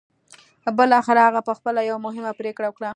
بالاخره هغه پخپله یوه مهمه پرېکړه وکړه